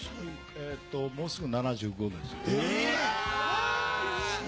もうすぐ７５です。